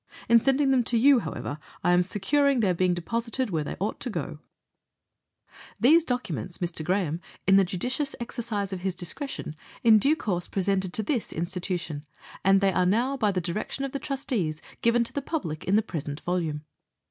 In sending them to you, however, I am securing their being deposited where they ought to go." vi Preface. These documents, Mr. Graham, in the judicious exercise of his discretion, in due course presented to this institution, and they are now, by direction of the Trustees, given to the public in the present volume.